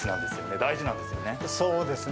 大事なんですよね。